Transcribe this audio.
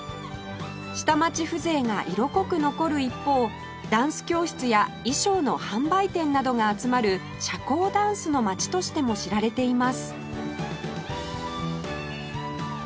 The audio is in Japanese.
下町風情が色濃く残る一方ダンス教室や衣装の販売店などが集まる社交ダンスの街としても知られています